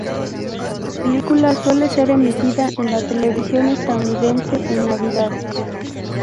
La película suele ser emitida en la televisión estadounidense en Navidad.